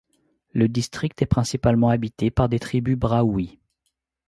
Le district est principalement habité par des tribus brahouis.